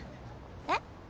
えっ？